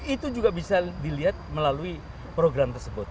itu juga bisa dilihat melalui program tersebut